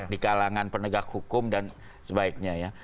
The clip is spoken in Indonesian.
di kalangan penegak hukum dan sebaiknya ya